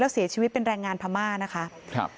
แล้วเสียชีวิตเป็นแรงงานพม่านะคะครับ